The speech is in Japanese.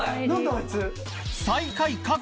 あいつ。